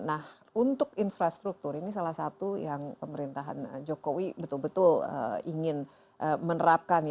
nah untuk infrastruktur ini salah satu yang pemerintahan jokowi betul betul ingin menerapkan